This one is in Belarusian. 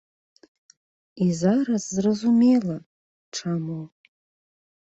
І зараз зразумела, чаму.